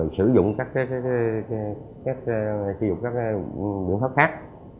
sử dụng các biện pháp khác